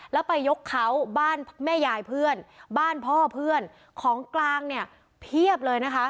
แล้วไปยกเขาบ้านแม่ยายเพื่อนบ้านพ่อเพื่อนของกลางเนี่ยเพียบเลยนะคะ